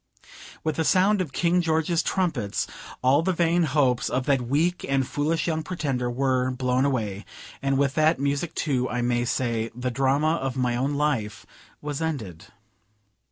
With the sound of King George's trumpets, all the vain hopes of the weak and foolish young Pretender were blown away; and with that music, too, I may say, the drama of my own life was ended.